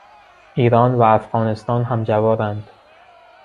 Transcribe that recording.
ایران و افغانستان همجوارند.